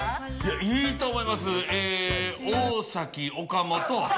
いいと思います。